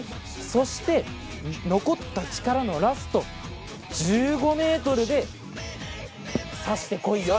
そして、残った力のラスト１５ｍでさしてこいよ。